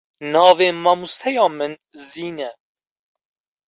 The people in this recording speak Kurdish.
Navê mamosteya min Zîn e.